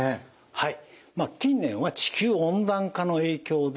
はい。